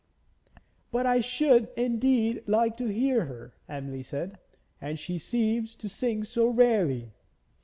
'But I should indeed like to hear her,' Emily said, 'and she seems to sing so rarely.'